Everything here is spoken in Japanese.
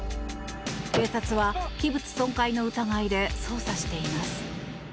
警察は器物損壊の疑いで捜査しています。